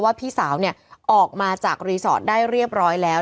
พี่สาวออกมาจากรีสอร์ทได้เรียบร้อยแล้ว